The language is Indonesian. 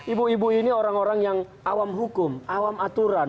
ibu ibu ini orang orang yang awam hukum awam aturan